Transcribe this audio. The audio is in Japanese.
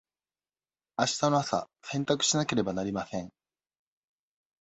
あしたの朝洗濯しなければなりません。